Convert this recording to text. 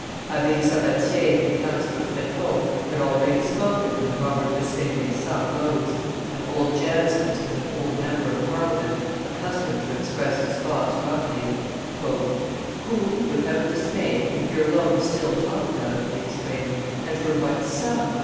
Abbe Sabatier and Councillor Freteau had already spoken, when Robert de St. Vincent rose, an old Jansenist and an old member of Parliament, accustomed to express his thoughts roughly. "Who, without dismay, can hear loans still talked of?" he exclaimed "and for what sum?